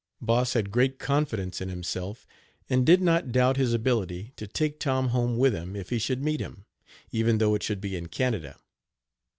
Boss had great confidence in himself, and did not doubt his ability to take Tom home with him if he should meet him, even though it should be in Canada.